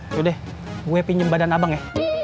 yaudah gue pinjem badan abang ya